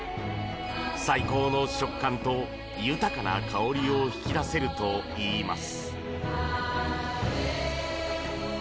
最高の食感と豊かな香りを引き出せるといいます。